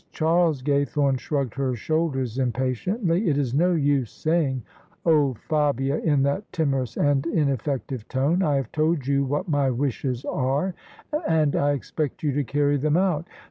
Charles Gaythome shrugged her shoulders impa tiently. " It is no use saying ' Oh, Fabia! ' in that timorous and inefEective tone. I have told you what my wishes are, and I expect you to carry them out."